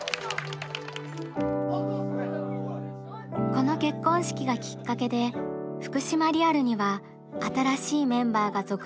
この結婚式がきっかけで「福島リアル」には新しいメンバーが続々と集まってきました。